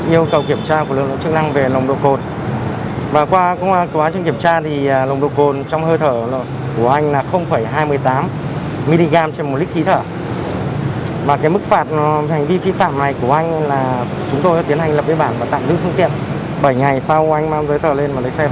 nhiều trường hợp vi phạm giao thông về lỗi nồng độ cồn được lực lượng chức năng phát hiện và xử lý